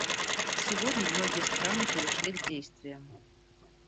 Сегодня многие страны перешли к действиям.